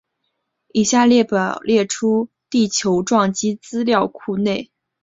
以下列表列出地球撞击资料库内所有已确认并在北美洲的撞击坑。